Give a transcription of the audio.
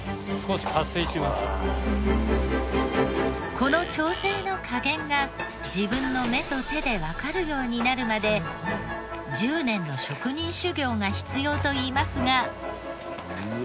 この調整の加減が自分の目と手でわかるようになるまで１０年の職人修業が必要といいますが。